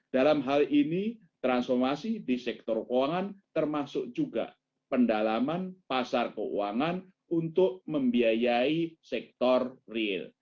dalam hal ini transformasi di sektor keuangan termasuk juga pendalaman pasar keuangan untuk membiayai sektor real